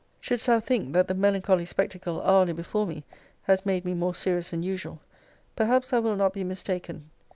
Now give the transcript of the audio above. Shouldest thou think, that the melancholy spectacle hourly before me has made me more serious than usual, perhaps thou wilt not be mistaken.